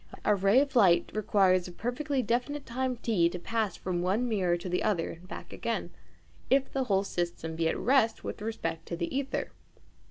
A ray of light requires a perfectly definite time T to pass from one mirror to the other and back again, if the whole system be at rest with respect to the ćther.